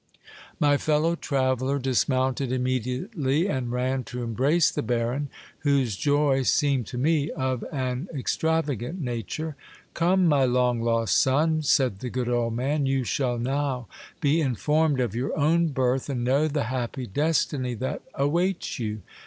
My fellow traveller dismounted immediately, and ran to embrace the baron, whose joy seemed to me of an extravagant nature. Come, my long lost son, said the good old man, you shall now be informed of your own birth, and know the happy destiny that awaits you.